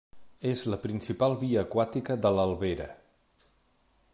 És la principal via aquàtica de l'Albera.